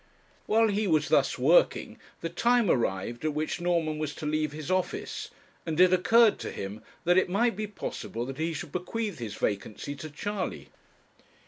While he was thus working, the time arrived at which Norman was to leave his office, and it occurred to him that it might be possible that he should bequeath his vacancy to Charley.